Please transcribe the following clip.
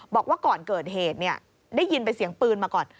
บอกว่าก่อนเกิดเหตุได้ยินเป็นเสียงปืนมาก่อน